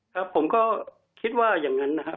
ครับผมก็คิดว่าอย่างนั้นนะครับ